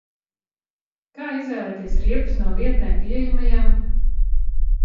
Kā izvēlēties riepas no vietnē pieejamajām?